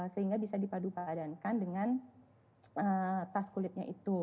sehingga bisa dipadupadankan dengan tas kulitnya itu